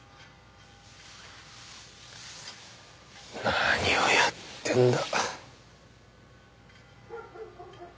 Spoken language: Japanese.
何をやってんだ。